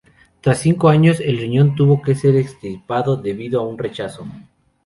Tras cinco años, el riñón tuvo que ser extirpado debido a un rechazo.